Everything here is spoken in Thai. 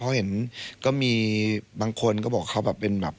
เพราะเห็นก็มีบางคนก็บอกเขาแบบเป็นแบบ